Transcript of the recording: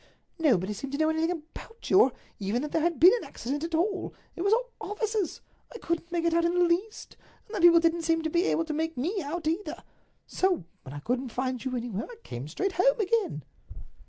Nobody seemed to know anything about you, or even that there had been an accident at all—it was all offices. I couldn't make it out in the least, and the people didn't seem to be able to make me out either. So when I couldn't find you anywhere I came straight home again."